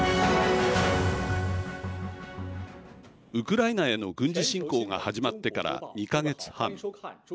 ウクライナへの軍事侵攻が始まってから２か月半。